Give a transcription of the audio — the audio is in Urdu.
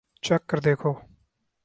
چکھ کر دیکھو